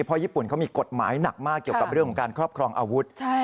เพราะญี่ปุ่นเขามีกฎหมายหนักมากเกี่ยวกับเรื่องของการครอบครองอาวุธ